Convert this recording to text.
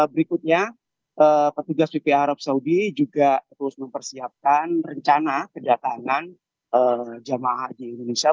berikutnya petugas bph arab saudi juga terus mempersiapkan rencana kedatangan jamaah haji indonesia